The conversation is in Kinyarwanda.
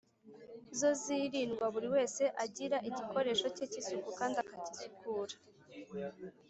zo zirindwa buri wese agira igikoresho ke k’isuku kandi akagisukura.